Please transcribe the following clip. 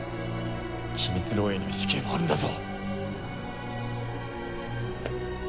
機密漏えいには死刑もあるんだぞ。